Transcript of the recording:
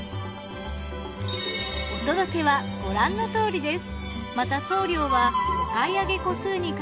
お届けはご覧のとおりです。